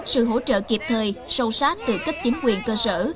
sự hỗ trợ kịp thời sâu sát tự kích chính quyền cơ sở